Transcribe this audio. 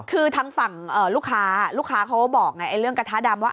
คือทางฝั่งลูกค้าลูกค้าเขาก็บอกไงเรื่องกระทะดำว่า